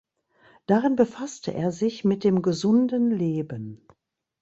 Darin befasste er sich mit dem gesunden Leben.